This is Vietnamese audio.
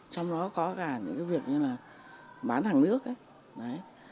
trong đó có cả những cái việc như là bán hàng nước ấy